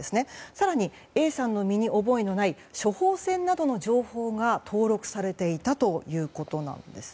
更に、Ａさんの身に覚えのない処方箋などの情報が登録されていたということです。